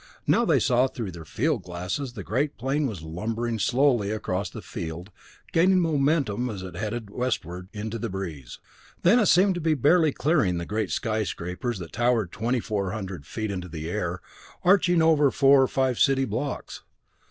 Now they saw through their field glasses that the great plane was lumbering slowly across the field, gaining momentum as it headed westward into the breeze. Then it seemed to be barely clearing the great skyscrapers that towered twenty four hundred feet into the air, arching over four or five city blocks.